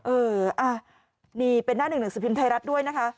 เออนี่เป็นหน้า๑๑สภิมธ์ไทยรัฐด้วยนะคะ